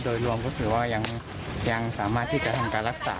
โดยรวมก็ถือว่ายังสามารถที่จะทำการรักษา